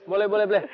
boleh boleh boleh